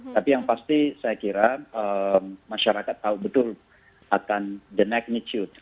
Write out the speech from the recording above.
tapi yang pasti saya kira masyarakat tahu betul akan the magnitude